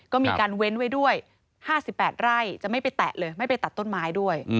ก็มีการเว้นไว้ด้วย๕๘ไร่จะไม่ไปแตะเลยไม่ไปตัดต้นไม้ด้วย